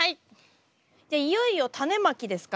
じゃあいよいよタネまきですか？